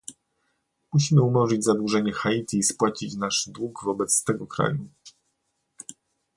Musimy umorzyć zadłużenie Haiti i spłacić nasz dług wobec tego kraju